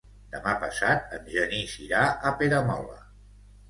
Demà passat en Genís irà a Peramola.